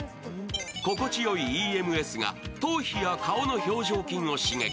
心地よいＥＭＳが頭皮や顔の表情筋を刺激。